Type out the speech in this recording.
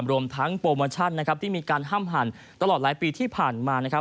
รวมทั้งโปรโมชั่นนะครับที่มีการห้ามหันตลอดหลายปีที่ผ่านมานะครับ